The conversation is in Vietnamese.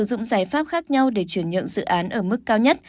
giúp khác nhau để chuyển nhượng dự án ở mức cao nhất